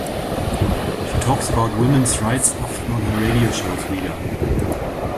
She talks about women's rights often on her radio shows, Vida!